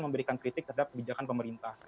memberikan kritik terhadap kebijakan pemerintah